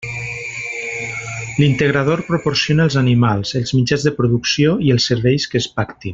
L'integrador proporciona els animals, els mitjans de producció i els serveis que es pactin.